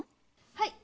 はい。